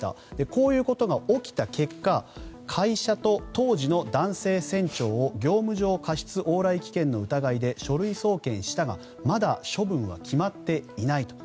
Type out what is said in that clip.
こういうことが起きた結果会社と当時の男性船長を業務上過失往来危険の疑いで書類送検したがまだ処分は決まっていないと。